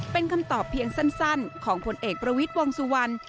เป็นคำตอบเพียงสั้นของผลเอกประวิทย์วงสุวรรณ